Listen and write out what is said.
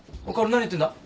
何やってんだ？